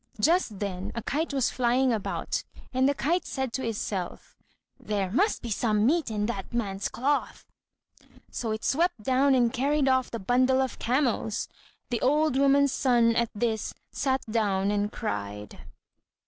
Just then a kite was flying about, and the kite said to itself, "There must be some meat in that man's cloth," so it swept down and carried off the bundle of camels. The old woman's son at this sat down and cried.